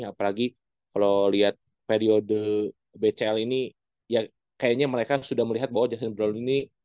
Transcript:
apalagi kalau lihat periode bcl ini ya kayaknya mereka sudah melihat bahwa justin brown ini